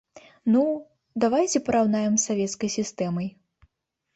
Ну, давайце параўнаем з савецкай сістэмай.